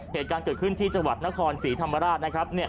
เหตุการณ์เกิดขึ้นที่จังหวัดนครศรีธรรมราชนะครับ